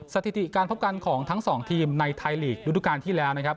สถิติการพบกันของทั้งสองทีมในไทยลีกฤดูการที่แล้วนะครับ